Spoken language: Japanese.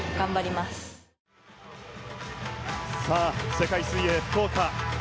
世界水泳福岡。